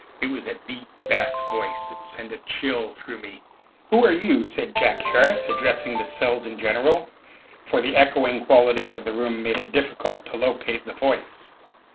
It was a deep bass voice that sent a chill through me. "Who are you?" said Jack Harris, addressing the cells in general; for the echoing qualities of the room made it difficult to locate the voice.